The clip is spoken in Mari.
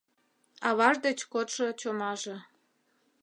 Аваж деч кодшо чомаже